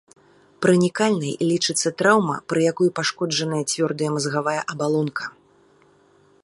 Пранікальнай лічыцца траўма, пры якой пашкоджаная цвёрдая мазгавая абалонка.